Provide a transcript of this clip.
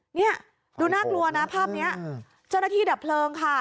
เนี่ยดูน่ากลัวนะภาพนี้เจ้าหน้าที่ดับเพลิงค่ะ